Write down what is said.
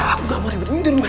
aku gak mau dibendurin mas